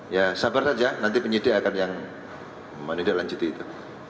ya sabar saja nanti penyidik akan yang menindaklanjuti itu